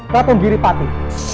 tajun diri pati